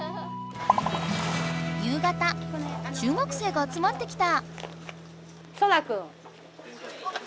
夕方中学生があつまってきた。